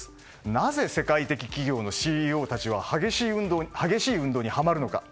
なぜ世界的企業のＣＥＯたちは激しい運動にはまるのか。